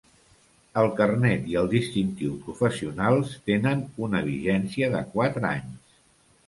El carnet i el distintiu professionals tenen una vigència de quatre anys.